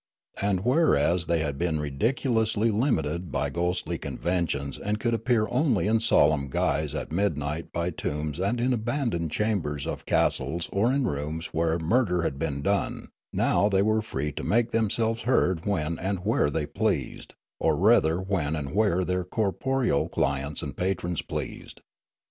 And, whereas they had been ridiculously limited by ghostly conventions and could appear only in solemn guise at midnight by tombs and in abandoned chambers of castles or in rooms where murder had been done, now they were free to make themselves heard when and where they pleased, or rather when and where their corporeal clients and patrons pleased.